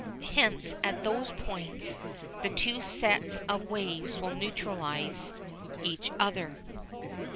Hence at those points the two sets of waves will neutralise each other.